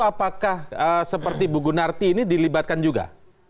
apakah seperti bu gunarti ini dilibatkan juga